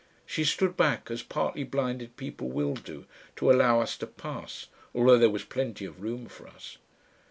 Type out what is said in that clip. She stood back, as partly blinded people will do, to allow us to pass, although there was plenty of room for us.